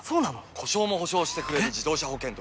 故障も補償してくれる自動車保険といえば？